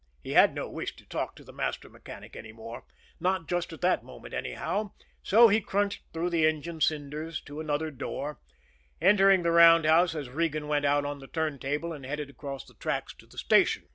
He had no wish to talk to the master mechanic any more, not just at that moment anyhow, so he crunched through the engine cinders to another door, entering the roundhouse as Regan went out on the turntable and headed across the tracks for the station.